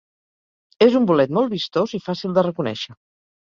És un bolet molt vistós i fàcil de reconèixer.